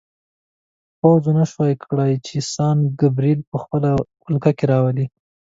پوځ ونه شوای کړای چې سان ګبریل په خپله ولکه کې راولي.